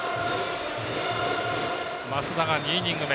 益田が２イニング目。